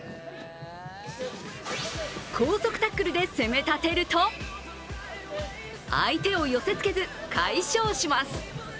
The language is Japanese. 高速タックルで攻め立てると相手を寄せつけず、快勝します。